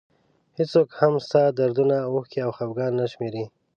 هېڅوک هم ستا دردونه اوښکې او خفګان نه شمېري.